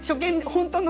本当の。